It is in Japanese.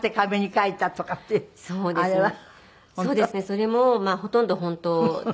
それもほとんど本当。